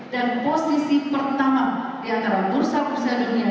dan posisi pertama di antara bursa bursa dunia